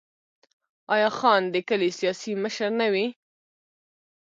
آیا خان د کلي سیاسي مشر نه وي؟